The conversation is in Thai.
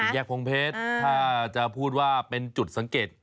แยกพงเพชรถ้าจะพูดว่าเป็นจุดสังเกต